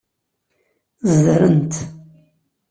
Zedrent.